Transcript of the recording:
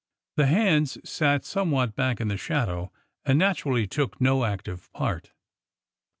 The " hands '' sat somewhat back in the shadow, and natu rally took no active part.